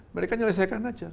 mereka nyelesaikan aja